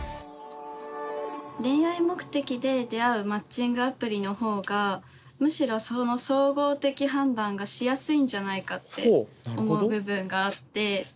恋愛目的で出会うマッチングアプリの方がむしろ総合的判断がしやすいんじゃないかって思う部分があって。